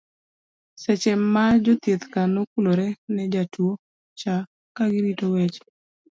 seche ma jochieth ka nokulore ne jatua cha kagirito weche